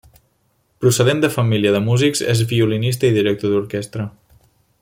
Procedent de família de músics, és violinista i director d’orquestra.